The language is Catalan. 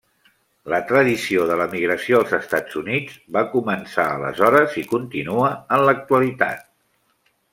La tradició de l'emigració als Estats Units va començar aleshores i continua en l'actualitat.